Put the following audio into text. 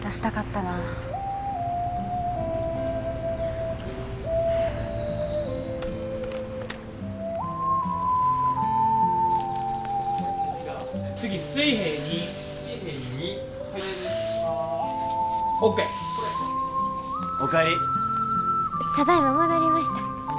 ただいま戻りました。